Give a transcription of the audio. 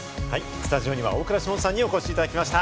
スタジオには大倉士門さんにお越しいただきました。